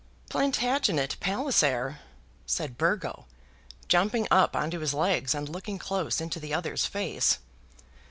"Plantagenet Palliser?" said Burgo, jumping up on to his legs and looking close into the other's face.